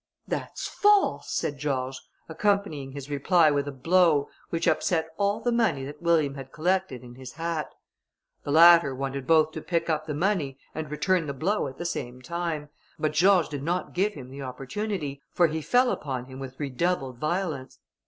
"That's false," said George, accompanying his reply with a blow, which upset all the money that William had collected in his hat. The latter wanted both to pick up the money and return the blow at the same time, but George did not give him the opportunity, for he fell upon him with redoubled violence.